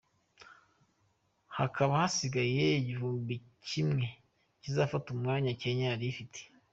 Hakaba hasigaye igihugu kimwe kizafata umwanya Kenya yari ifite.